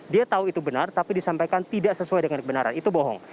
dia tahu itu benar tapi disampaikan tidak sesuai dengan kebenaran itu bohong